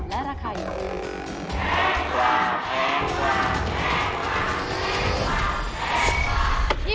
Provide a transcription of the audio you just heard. และราคาอยู่ที่